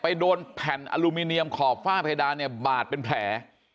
โดนแผ่นอลูมิเนียมขอบฝ้าเพดานเนี่ยบาดเป็นแผล